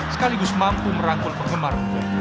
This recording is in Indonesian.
sekaligus mampu merangkul penggemar